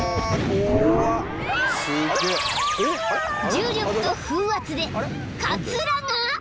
［重力と風圧でかつらが！］